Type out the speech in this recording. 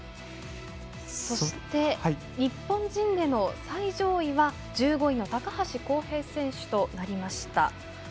そして日本人の最上位は１５位の高橋幸平選手でした。